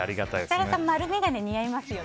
設楽さん、丸眼鏡似合いますよね。